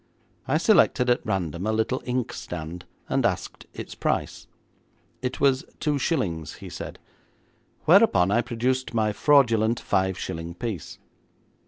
I selected at random a little ink stand, and asked its price. It was two shillings, he said, whereupon I produced my fraudulent five shilling piece.